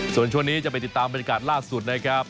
ส่วนช่วงนี้จะไปติดตามบรรยากาศล่าสุดนะครับ